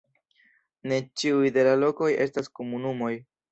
Ne ĉiuj de la lokoj estas komunumoj.